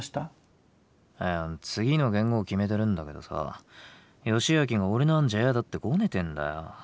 いや次の元号決めてるんだけどさ義昭が俺の案じゃ嫌だってゴネてんだよ。